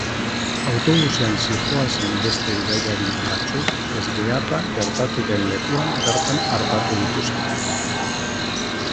Autobusean zihoazen beste bidaiari batzuk ezbeharra gertatu den lekuan bertan artatu dituzte.